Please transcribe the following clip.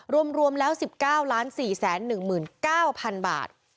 รวม๑๙ล้าน๔๑๙๐๐๐บาท